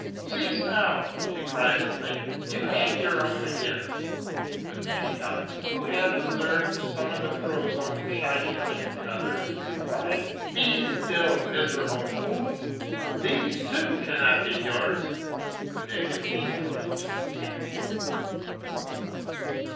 Cease now ! she cried at length ; you have your own again ! But the Peacocks, who had observed some of the Crow's own shining wing feathers, replied: Be still, miser able fool ! these, too, cannot be yours ! And they continued to peck.